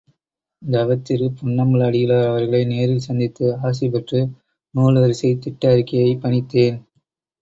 தவத்திரு பொன்னம்பல அடிகளார் அவர்களை நேரில் சந்தித்து ஆசிபெற்று நூல்வரிசைத் திட்ட அறிக்கையைப் பணித்தேன்.